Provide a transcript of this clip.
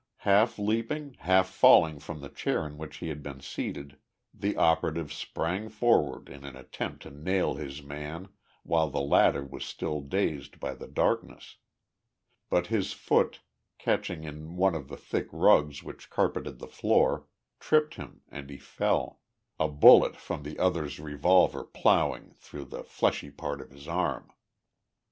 Half leaping, half falling from the chair in which he had been seated, the operative sprang forward in an attempt to nail his man while the latter was still dazed by the darkness. But his foot, catching in one of the thick rugs which carpeted the floor, tripped him and he fell a bullet from the other's revolver plowing through the fleshy part of his arm.